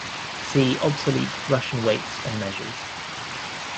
See Obsolete Russian weights and measures.